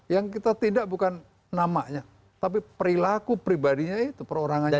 yang kita tindak bukan namanya tapi perilaku pribadinya itu perorangannya